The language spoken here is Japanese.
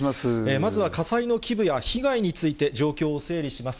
まずは火災の規模や被害について、状況を整理します。